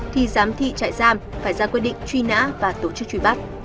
thì giám thị trại giam phải ra quyết định truy nã và tổ chức truy bắt